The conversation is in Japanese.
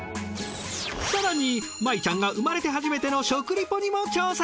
更に舞衣ちゃんが生まれて初めての食リポにも挑戦！